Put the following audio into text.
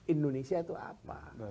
indonesia itu apa